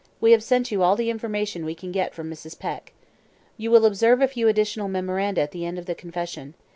We have sent you all the information we can get from Mrs. Peck. You will observe a few additional memoranda at the end of the confession.